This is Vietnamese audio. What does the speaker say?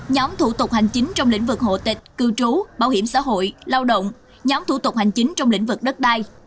nhóm thủ tục hành chính trong lĩnh vực hộ tịch cư trú bảo hiểm xã hội lao động nhóm thủ tục hành chính trong lĩnh vực đất đai